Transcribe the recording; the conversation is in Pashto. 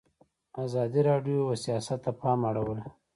ازادي راډیو د سیاست ته پام اړولی.